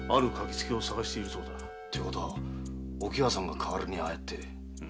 ってことはお喜和さんが代わりにああやって。